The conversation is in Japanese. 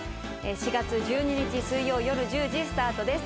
４月１２日水曜夜１０時スタートです。